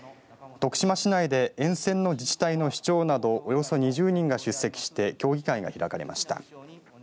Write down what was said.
徳島市内で沿線の自治体の市長などおよそ２０人が出席して協議会が開かれました。